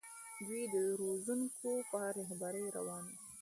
دوی د روزونکو په رهبرۍ روان وو.